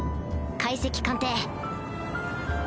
解析鑑定